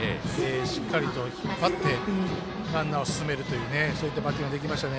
しっかりと引っ張ってランナーを進めるというそういったバッティングできましたね。